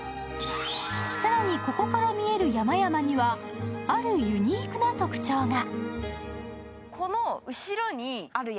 更に、ここから見える山々にはあるユニークな特徴が。